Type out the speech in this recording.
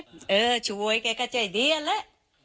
โปรดติดตามต่อไป